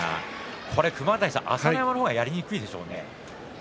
これは熊ヶ谷さんは朝乃山の方やりにくいでしょうね。